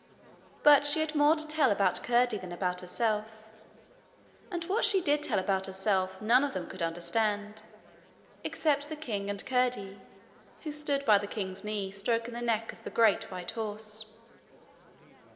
But she had more to tell about Curdie than about herself, and what she did tell about herself none of them could understand except the king and Curdie, who stood by the king's knee stroking the neck of the great white horse.